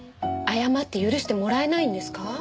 謝って許してもらえないんですか？